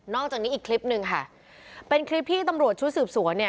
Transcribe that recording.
อกจากนี้อีกคลิปหนึ่งค่ะเป็นคลิปที่ตำรวจชุดสืบสวนเนี่ย